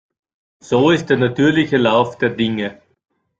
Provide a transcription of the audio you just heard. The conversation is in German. So ist der natürliche Lauf der Dinge.